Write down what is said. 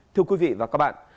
thưa quý vị và các bạn